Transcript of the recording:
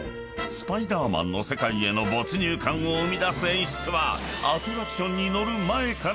『スパイダーマン』の世界への没入感を生み出す演出は］